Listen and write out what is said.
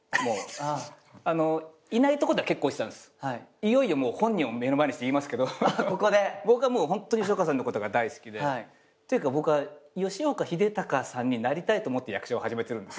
いよいよ本人を目の前にして言いますけど僕はホントに吉岡さんのことが大好きで。というか僕は吉岡秀隆さんになりたいと思って役者を始めてるんです。